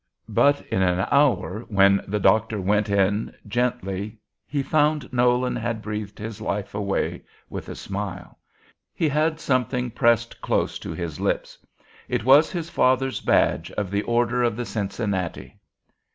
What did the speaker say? "But in an hour, when the doctor went in gently, he found Nolan had breathed his life away with a smile. He had something pressed close to his lips. It was his father's badge of the Order of the Cincinnati.